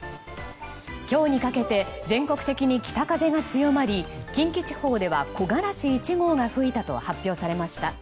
今日にかけて全国的に北風が強まり近畿地方では木枯らし１号が吹いたと発表されました。